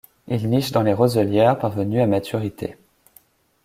Il niche dans les roselières parvenus à maturité.